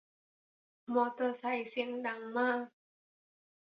มอเตอร์ไซด์เสียงดังมาก